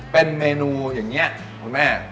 เป็นเมนูอย่างนี้คุณแม่